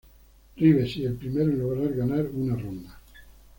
Rives, y el primero en lograr ganar una ronda.